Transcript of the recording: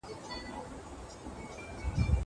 کالي د مور له خوا وچول کيږي.